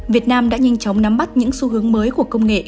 việt nam đã nhanh chóng nắm bắt những xu hướng mới của công nghệ